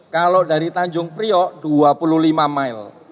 kalau dari tanjung priok dua puluh lima mile